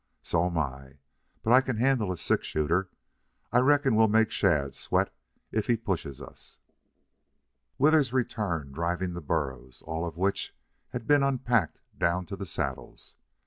So 'm I. But I can handle a six shooter. I reckon we'll make Shadd sweat if he pushes us." Withers returned, driving the burros, all of which had been unpacked down to the saddles.